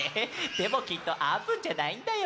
でもきっとあーぷんじゃないんだよ。